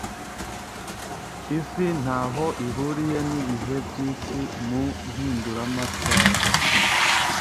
isi ntaho ihuriye nibihe byisiMu mpinduramatwara